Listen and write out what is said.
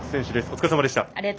お疲れさまでした。